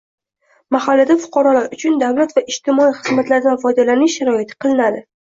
Mahallada fuqarolar uchun davlat va ijtimoiy xizmatlardan foydalanish sharoiti qilinadi.